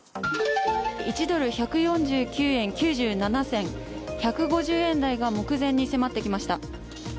１ドル＝１４９円９７銭、１５０円台が目前に迫ってきました。